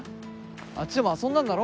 あっちでも遊んだんだろ？